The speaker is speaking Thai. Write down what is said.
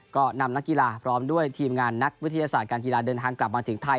ก็นำนักกีฬาพร้อมด้วยทีมงานนักวิทยาศาสตร์การกีฬาเดินทางกลับมาถึงไทย